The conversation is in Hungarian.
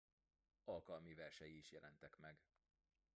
Alkalmi versei is jelentek meg.